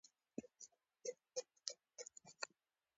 دا بکټریاوې د میکرو آئیروبیک په نوم یادیږي.